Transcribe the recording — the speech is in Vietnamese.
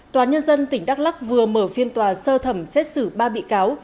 tòa nhân dân tỉnh đắk lắc vừa mở phiên tòa sơ thẩm xét xử ba bị cáo